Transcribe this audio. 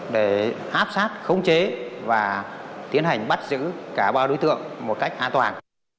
để áp sát khống chế và tiến hành bắt giữ cả ba đối tượng một cách an toàn